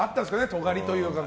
とがりというか。